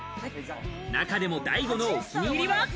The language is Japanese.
中でもＤＡＩＧＯのお気に入りは。